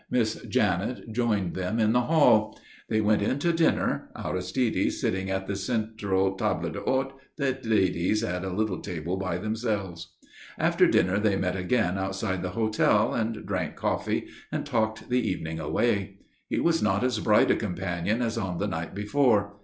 Miss Janet joined them in the hall. They went in to dinner, Aristide sitting at the central table d'hôte, the ladies at a little table by themselves. After dinner they met again outside the hotel, and drank coffee and talked the evening away. He was not as bright a companion as on the night before.